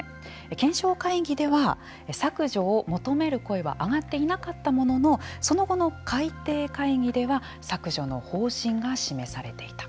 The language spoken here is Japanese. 検証会議では削除を求める声は挙がっていなかったもののその後の改訂会議では削除の方針が示されていた。